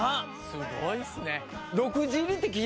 すごいっすね。